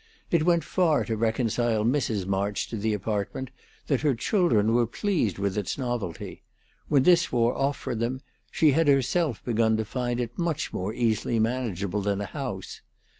It went far to reconcile Mrs. March to the apartment that her children were pleased with its novelty; when this wore off for them, she had herself begun to find it much more easily manageable than a house.